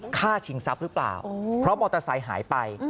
ชิงทรัพย์หรือเปล่าเพราะมอเตอร์ไซค์หายไป